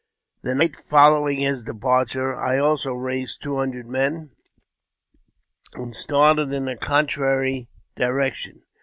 j The night following his departure, I also raised two hundred I men, and started in a contrary direction.